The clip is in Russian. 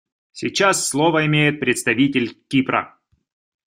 Сейчас слово имеет представитель Кипра.